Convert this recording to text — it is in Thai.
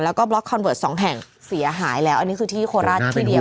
แล้วก็บล็อกคอนเวิร์ตสองแห่งเสียหายแล้วอันนี้คือที่โคราชที่เดียว